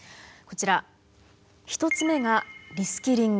こちら１つ目がリスキリング。